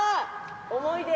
思い出。